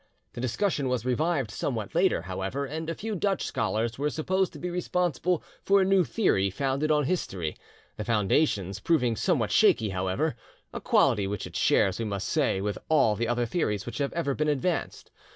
The discussion was revived somewhat later, however, and a few Dutch scholars were supposed to be responsible for a new theory founded on history; the foundations proving somewhat shaky, however,—a quality which it shares, we must say, with all the other theories which have ever been advanced.